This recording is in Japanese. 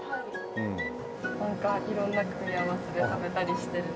なんか色んな組み合わせで食べたりしてるので。